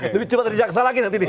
lebih cepat dari jaksa lagi nanti nih